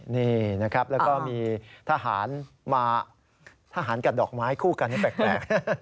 นี่นะครับแล้วก็มีทหารมาทหารกับดอกไม้คู่กันนี่แปลก